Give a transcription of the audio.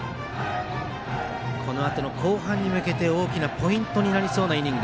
このあとの後半に向けて大きなポイントになりそうなイニング。